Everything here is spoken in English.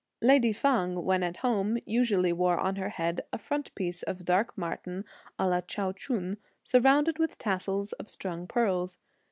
Lady Feng, when at home, usually wore on her head a front piece of dark martin à la Chao Chün, surrounded with tassels of strung pearls.